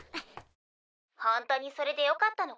「本当にそれでよかったのかい？」